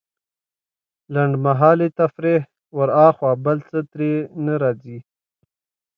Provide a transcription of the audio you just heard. لنډمهالې تفريح وراخوا بل څه ترې نه راځي.